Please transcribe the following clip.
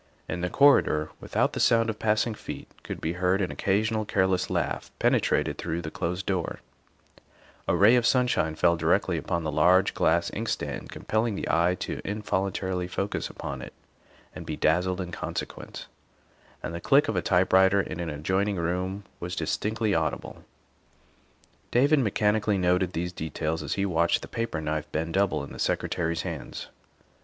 In the corridor without the sound of passing feet could be heard and an occasional careless laugh penetrated through the closed door; a ray of sunshine fell directly upon the large glass inkstand, compelling the eye to involuntarily focus upon it and be dazzled in consequence; and the click of a type writer in an adjoining room was distinctly audible. 38 THE WIFE OF David mechanically noted these details as he watched the paper knife bend double in the Secretary's hands.